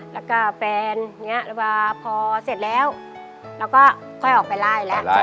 แล้วก็แฟนพอเสร็จแล้วเราก็ค่อยออกไปไล่แล้ว